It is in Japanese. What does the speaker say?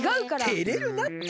てれるなって！